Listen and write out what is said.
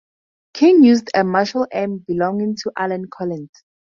King used a Marshall amp belonging to Allen Collins.